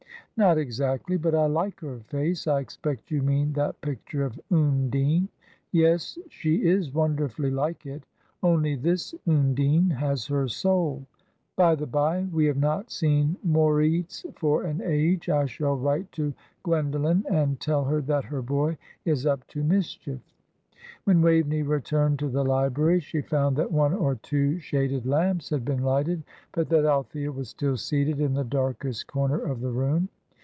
"Not exactly; but I like her face. I expect you mean that picture of Undine. Yes, she is wonderfully like it, only this Undine has her soul. By the bye, we have not seen Moritz for an age. I shall write to Gwendoline and tell her that her boy is up to mischief." When Waveney returned to the library she found that one or two shaded lamps had been lighted, but that Althea was still seated in the darkest corner of the room.